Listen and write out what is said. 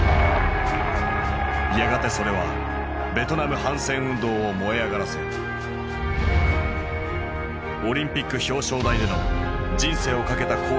やがてそれはベトナム反戦運動を燃え上がらせオリンピックの表彰台での人生をかけた抗議をもたらし。